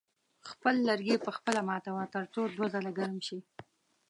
خپل لرګي په خپله ماتوه تر څو دوه ځله ګرم شي.